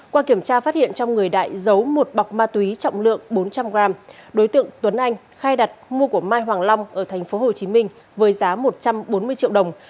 qua kiểm tra phát hiện trong người đại giấu một bọc ma túy trọng lượng bốn trăm linh g đối tượng tuấn anh khai đặt mua của mai hoàng long ở tp hcm với giá một trăm bốn mươi triệu đồng